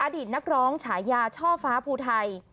อดีตนักร้องฉายาช่อฟ้าภูไทย